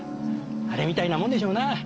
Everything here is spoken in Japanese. あれみたいなもんでしょうな。